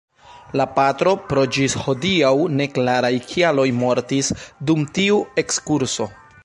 La patro pro ĝis hodiaŭ neklaraj kialoj mortis dum tiu ekskurso.